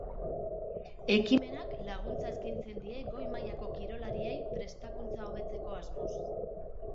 Ekimenak laguntza eskaintzen die goi-mailako kirolariei prestakuntza hobetzeko asmoz.